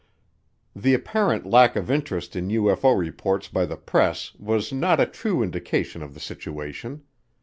The apparent lack of interest in UFO reports by the press was not a true indication of the situation.